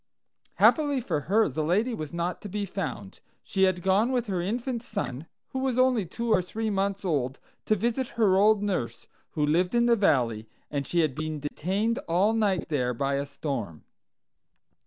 "Happily for her, the lady was not to be found. She had gone with her infant son, who was only two or three months old, to visit her old nurse, who lived in the valley; and she had been detained all night there by a storm.